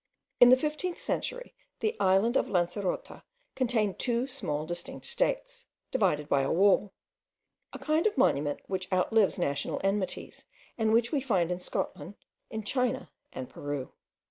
In the fifteenth century the island of Lancerota contained two small distinct states, divided by a wall; a kind of monument which outlives national enmities, and which we find in Scotland, in China, and Peru.